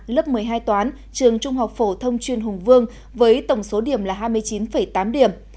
lớp một mươi hai toán trường trung học phổ thông chuyên hùng vương với tổng số điểm là hai mươi chín tám điểm